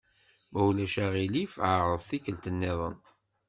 Ma ulac aɣilif εreḍ tikkelt-nniḍen.